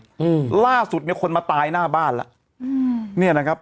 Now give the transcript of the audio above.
อืมล่าสุดเนี้ยคนมาตายหน้าบ้านแล้วอืมเนี้ยนะครับ